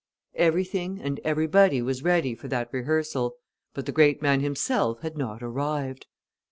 Everything and everybody was ready for that rehearsal, but the great man himself had not arrived.